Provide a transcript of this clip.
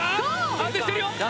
安定してるよ！